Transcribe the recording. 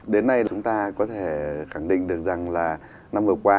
đến nay chúng ta có thể khẳng định được rằng là năm vừa qua